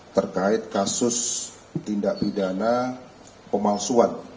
terkait kasus tindak pidana pemalsuan